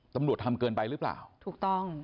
ตำรวจทำเกินไปหรือเปล่าถูกต้อง